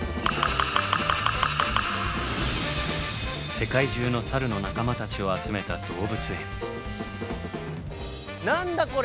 世界中のサルの仲間たちを集めた動物園。